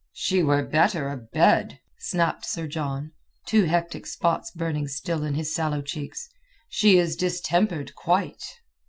"She were better abed," snapped Sir John, two hectic spots burning still in his sallow cheeks. "She is distempered, quite."